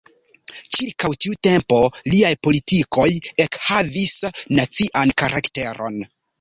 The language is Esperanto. Ĉirkaŭ tiu tempo liaj politikoj ekhavis nacian karakteron.